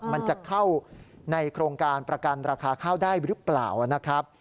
มันจะเข้าในโครงการประกันราคาข้าวได้หรือเปล่านะครับ